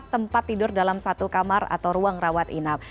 tempat tidur dalam satu kamar atau ruang rawat inap